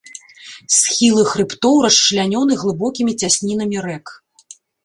Схілы хрыбтоў расчлянёны глыбокімі цяснінамі рэк.